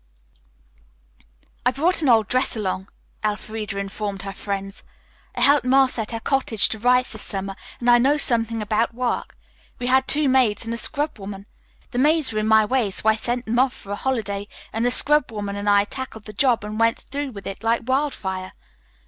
"I brought an old dress along," Elfreda informed her friends. "I helped Ma set our cottage to rights this summer and I know something about work. We had two maids and a scrubwoman. The maids were in my way, so I sent them off for a holiday and the scrubwoman and I tackled the job and went through with it like wildfire.